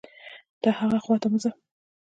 ته هاغې خوا ته مه ځه